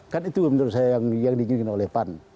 kan itu menurut saya yang diinginkan oleh pan